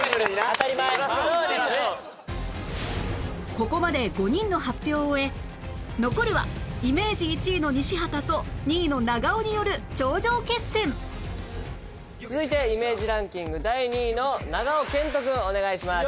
ここまで５人の発表を終え残るはイメージ１位の西畑と２位の長尾による頂上決戦続いてイメージランキング第２位の長尾謙杜くんお願いします。